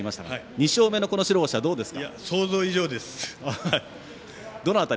２勝目の白星はどうですか？